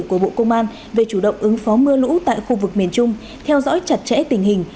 của bộ công an về chủ động ứng phó mưa lũ tại khu vực miền trung theo dõi chặt chẽ tình hình